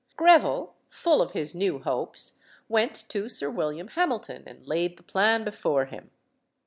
Greville, full of his new nopes, went to Sir William Hamilton and laid the plan before him.